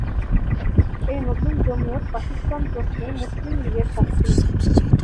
এই নতুন জমিয়ত পাকিস্তান প্রশ্নে মুসলিম লীগের পক্ষ নেয়।